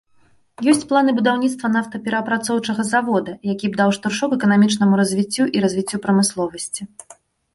Ёсць планы будаўніцтва нафтаперапрацоўчага завода, які б даў штуршок эканамічнаму развіццю і развіццю прамысловасці.